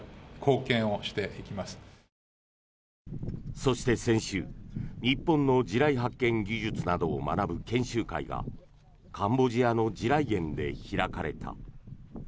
そして先週日本の地雷発見技術などを学ぶ研修会がカンボジアの地雷原で開かれた。